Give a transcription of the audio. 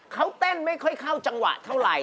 เขาเต้นไม่ค่อยเข้าจังหวะเท่าไหร่